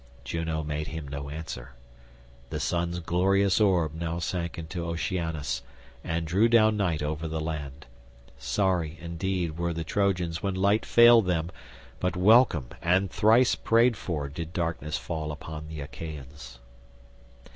Juno made him no answer. The sun's glorious orb now sank into Oceanus and drew down night over the land. Sorry indeed were the Trojans when light failed them, but welcome and thrice prayed for did darkness fall upon the Achaeans.